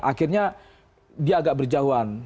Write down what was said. akhirnya dia agak berjauhan